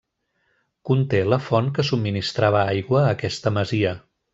Conté la font que subministrava aigua a aquesta masia.